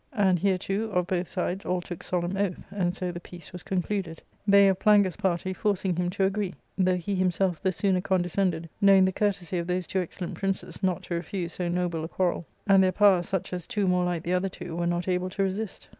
And hereto of both sides all took solemn oath, and so the peace was con cluded ; they of Plangus' party forcing him to agree, though he himself the sooner condescended knowing the courtesy of those two excellent princes not to refuse so noble a quarrel, and their power such as two more like the other two were not able to resist.